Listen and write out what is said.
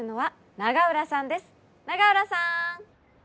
永浦さん！